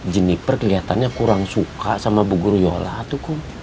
jeniper keliatannya kurang suka sama bu guru yola tuh kum